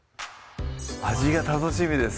味が楽しみです